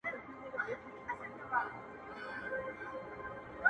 پر كورونو د بلا، ساه ده ختلې!.